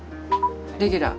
レギュラー。